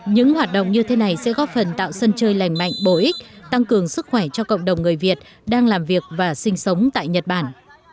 những hoạt động như thế này sẽ góp phần tạo sân chơi lành mạnh bổ ích tăng cường sức khỏe cho cộng đồng người việt đang làm việc và sinh sống tại nhật bản